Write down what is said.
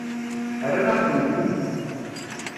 Rran-aɣ-tent-id.